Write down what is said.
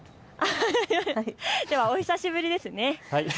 では、お久しぶりですね。